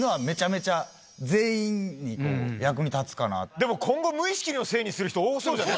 でも今後無意識のせいにする人多そうじゃない。